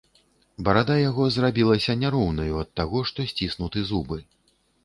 Барада яго зрабілася няроўнаю ад таго, што сціснуты зубы.